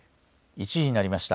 １時になりました。